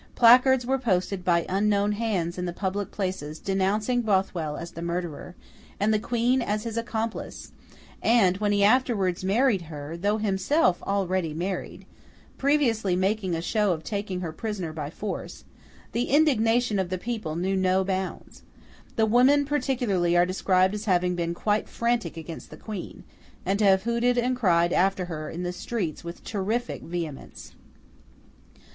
Placards were posted by unknown hands in the public places denouncing Bothwell as the murderer, and the Queen as his accomplice; and, when he afterwards married her (though himself already married), previously making a show of taking her prisoner by force, the indignation of the people knew no bounds. The women particularly are described as having been quite frantic against the Queen, and to have hooted and cried after her in the streets with terrific vehemence.